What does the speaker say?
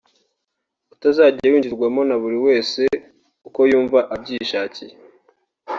utazajya winjirwamo nta buri wese uko y’umva abyishakiye